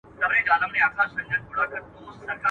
بریالي کسان تل په خپلو کارونو خوشاله وي.